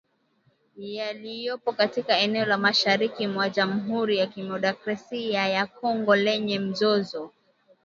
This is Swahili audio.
yaliyopo katika eneo la mashariki mwa jamhuri ya kidemokrasia ya Kongo lenye mzozo